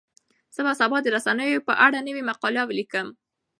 زه به سبا د رسنیو په اړه نوې مقاله ولیکم.